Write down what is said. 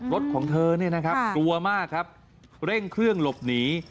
รถของเธอเนี่ยนะครับกลัวมากครับเร่งเครื่องหลบหนี